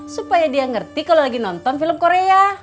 supaya dia ngerti kalau lagi nonton film korea